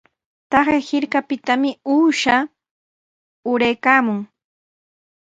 Taqay hirkapitami uusha uraykaamun.